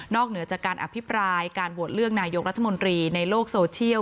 เหนือจากการอภิปรายการโหวตเลือกนายกรัฐมนตรีในโลกโซเชียล